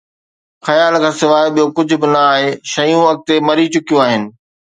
خيال کان سواءِ ٻيو ڪجهه به نه آهي، شيون اڳتي مري چڪيون آهن